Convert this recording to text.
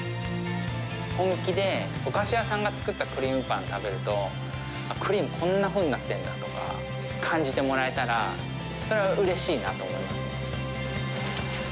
本気でお菓子屋さんが作ったクリームパン食べると、クリーム、こんなふうになってるんだとか、感じてもらえたら、それはうれしいなと思いますね。